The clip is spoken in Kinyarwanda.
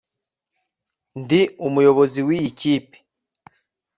Ndi umuyobozi wiyi kipe